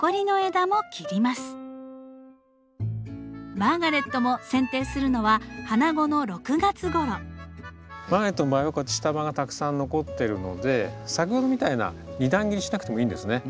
マーガレットもせん定するのはマーガレットの場合はこうやって下葉がたくさん残ってるので先ほどみたいな２段切りしなくてもいいんですね。